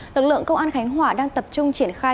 lực lượng công an khánh hòa đang tập trung triển khai